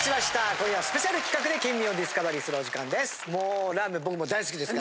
今夜はスペシャル企画で県民をディスカバリーするお時間です。